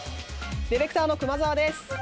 ディレクターの熊澤です。